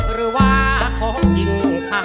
หรือว่าของจริง